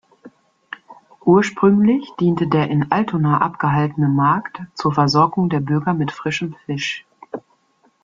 Ursprünglich diente der in Altona abgehaltene Markt zur Versorgung der Bürger mit frischem Fisch.